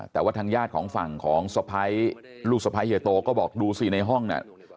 แต่ว่าทางญาติของฝั่งของสะพ้ายลูกสะพ้ายเฮียโตก็บอกดูสิในห้องน่ะ